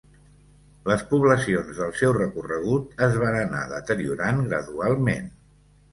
Les poblacions del seu recorregut es van anar deteriorant gradualment.